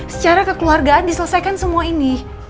secara kekeluargaan diselesaikan semua ini